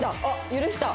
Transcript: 許した。